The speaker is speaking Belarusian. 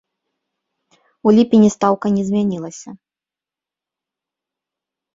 У ліпені стаўка не змянілася.